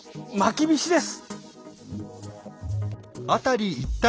きびしです。